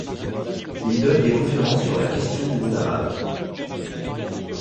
Il donne des conférences sur la question du monde arabe.